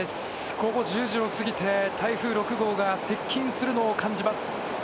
午後１０時を過ぎて、台風６号が接近するのを感じます。